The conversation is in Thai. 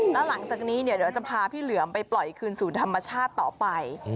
แล้วหลังจากนี้เดี๋ยวจะพาพี่เหลือมไปปล่อยคืนสู่ธรรมชาติต่อไป